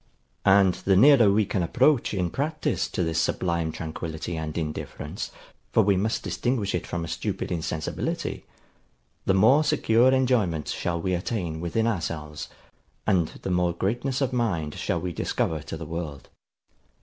And the nearer we can approach in practice to this sublime tranquillity and indifference (for we must distinguish it from a stupid insensibility), the more secure enjoyment shall we attain within ourselves, and the more greatness of mind shall we discover to the world.